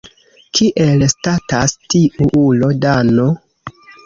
Kiel statas tiu ulo Dano?